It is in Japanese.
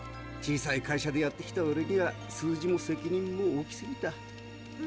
小さい会社でやってきたオレには数字も責任も大きすぎた。